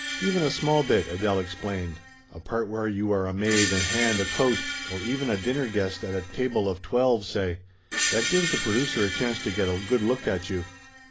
"Even a small bit," Adele explained. "A part where you are a maid and hand a coat, or even are a dinner guest at a table of twelve, say. That gives the pro ducer a chance to get a good look at you."